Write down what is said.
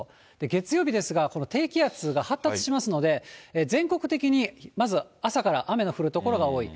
月曜日ですが、この低気圧が発達しますので、全国的にまず、朝から雨の降る所が多い。